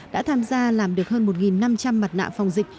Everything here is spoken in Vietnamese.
đã tham gia làm được hơn một năm trăm linh mặt nạ phòng dịch